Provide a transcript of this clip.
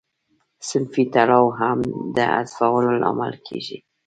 صنفي تړاو هم د حذفولو لامل کیږي.